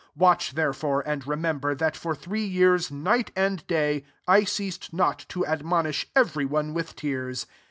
31 Watch therefore, and remember, that for three years, night and day, I ceased not to j admonish every one with tears.'